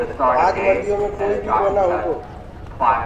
آج منڊيو مي ڪوئي بي ڪونآ هوندو تو۔